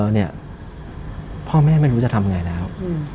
เขาบอกพ่อแม่ไม่รู้จะทำยังไงแล้ว